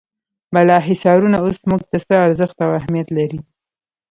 بالا حصارونه اوس موږ ته څه ارزښت او اهمیت لري.